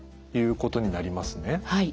はい。